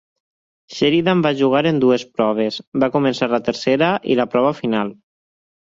Sheridan va jugar en dues proves, va començar la tercera i la prova final.